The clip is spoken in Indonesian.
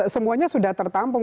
semuanya sudah tertampung